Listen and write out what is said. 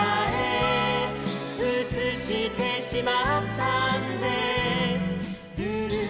「うつしてしまったんですルル」